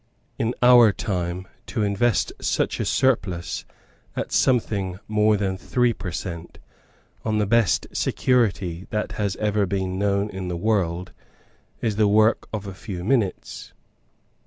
In our time, to invest such a surplus, at something more than three per cent., on the best security that has ever been known in the world, is the work of a few minutes.